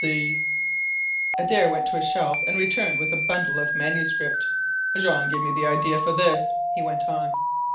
See " Adare went to a shelf and returned with a bundle of manuscript. "Jean gave me the idea for this," he went on.